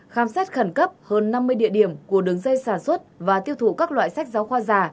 khám xét khẩn cấp hơn năm mươi địa điểm của đường dây sản xuất và tiêu thụ các loại sách giáo khoa giả